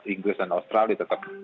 inggris dan australia tetap